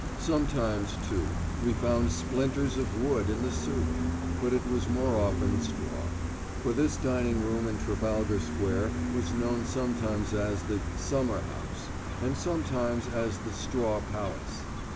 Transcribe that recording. Sometimes, too, we found splinters of wood in the soup but it was more often straw. For this dining room in Trafalgar Square was known sometimes as the "Summer house" and sometimes as the "Straw Palace."